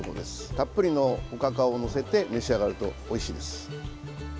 たっぷりのおかかを載せて召し上がるとおいしいです。